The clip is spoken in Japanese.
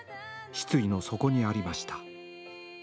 失意の底にありました。